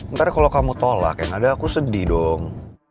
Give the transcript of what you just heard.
ntar kalau kamu tolak yang ada aku sedih dong